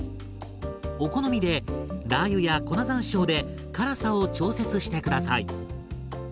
お好みでラー油や粉ざんしょうで辛さを調節して下さい。